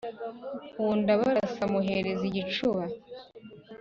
uwo ndábarása amuheereze igicúba